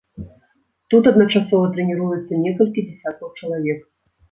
Тут адначасова трэніруюцца некалькі дзясяткаў чалавек.